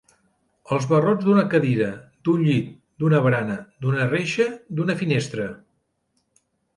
Els barrots d'una cadira, d'un llit, d'una barana, d'una reixa, d'una finestra.